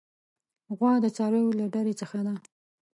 غوا د څارویو له ډلې څخه ده.